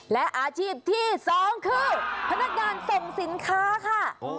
และอาชีพที่๒คือพนักงานส่งสินค้าค่ะ